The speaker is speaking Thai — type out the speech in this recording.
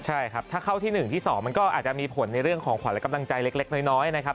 ใช่ครับถ้าเข้าที่๑ที่๒มันก็อาจจะมีผลในเรื่องของขวัญและกำลังใจเล็กน้อยนะครับ